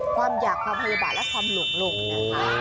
ความอยากความพยาบาลและความหลงนะคะ